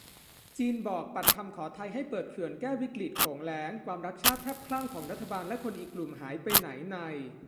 จีนบอกปัดคำขอไทยให้เปิดเขื่อนแก้วิกฤตโขงแล้ง ความรักชาติแทบคลั่งของรัฐบาลและคนอีกกลุ่มหายไปไหนใน